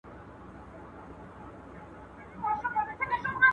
پېغلي څنگه د واده سندري وايي